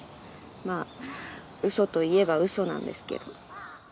まぁウソといえばウソなんですけど。